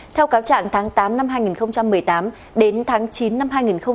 theo cáo trạng tháng tám năm hai nghìn một mươi tám đến tháng chín năm hai nghìn một mươi chín